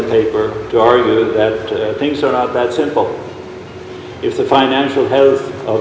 kepercayaan di pasar dan di bagian publik secara umum